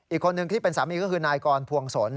อีกคนนึงที่เป็นสามีก็คือนายกรพวงศล